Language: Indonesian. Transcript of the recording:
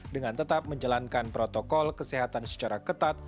dengan tetap menjalankan protokol kesehatan secara ketat